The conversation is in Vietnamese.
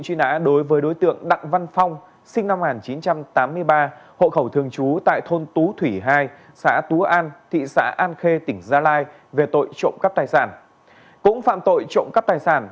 cũng phạm tội trộm cắp tài sản